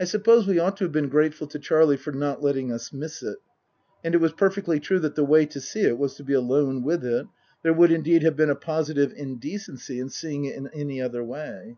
I suppose we ought to have been grateful to Charlie for not letting us miss it, and it was perfectly true that the way to see it was to be alone with it ; there would, indeed, have been a positive indecency in seeing it in any other way.